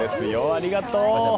ありがとう！